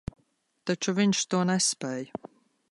Taču viņš to nespēj.